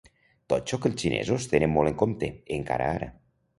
Totxo que els xinesos tenen molt en compte, encara ara.